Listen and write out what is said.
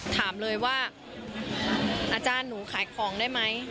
ถามเลยว่าอาจารย์หนูขายของได้ไหม